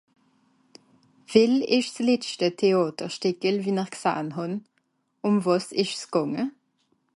Well ìsch s'letschte Teàterstìckel, wie-n-r gsahn hàn ? Ùn wàs ìsch's gànge ?